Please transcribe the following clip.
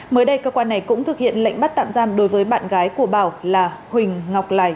mới đây cơ quan này cũng thực hiện lệnh bắt tạm giam đối với bạn gái của bảo là huỳnh ngọc lài